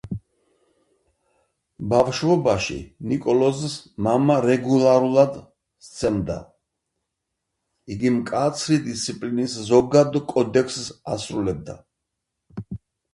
ბავშვობაში, ნიკოლოზს მამა რეგულარულად სცემა: იგი მკაცრი დისციპლინის ზოგად კოდექსს აღასრულებდა.